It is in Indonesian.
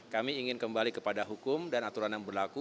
kami ingin kembali kepada hukum dan aturan yang berlaku